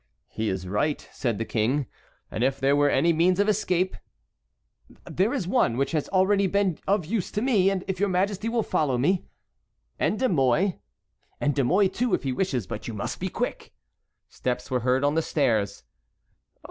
"He is right," said the king; "and if there were any means of escape"— "There is one which has already been of use to me, and if your majesty will follow me"— "And De Mouy?" "And De Mouy too if he wishes, but you must be quick." Steps were heard on the stairs.